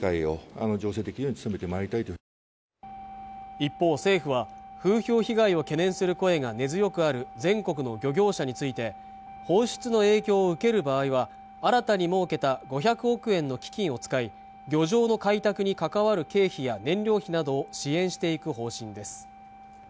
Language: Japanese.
一方政府は風評被害を懸念する声が根強くある全国の漁業者について放出の影響を受ける場合は新たに設けた５００億円の基金を使い漁場の開拓に関わる経費や燃料費などを支援していく方針です